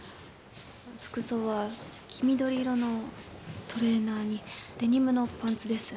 服装は黄緑色のトレーナーにデニムのパンツです